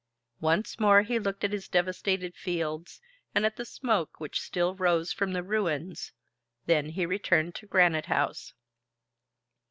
Once more he looked at his devastated fields, and at the smoke which still rose from the ruins, then he returned to Granite House.